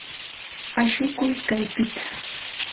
Ashukuy kaypita.